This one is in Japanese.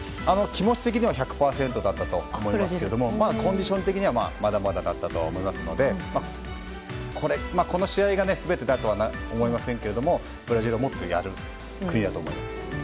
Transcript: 気持ち的には１００％だったと思いますけどコンディション的にはまだまだだったと思いますのでこの試合が全てだとは思いませんけどブラジルはもっとやる国だと思います。